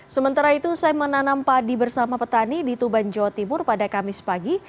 sementara itu saya menanam padi bersama petani di tuban jawa timur pada kamis pagi